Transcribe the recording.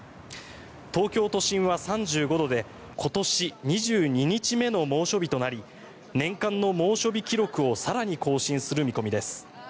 東京都心は３５度で今年２２日目の猛暑日となり年間の猛暑日記録を更に更新する見込みです。